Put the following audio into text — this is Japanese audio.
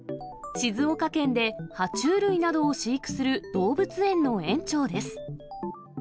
静岡県では虫類などを飼育する動物園の園長です。